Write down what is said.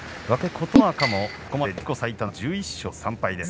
琴ノ若もここまで自己最多の１１勝３敗です。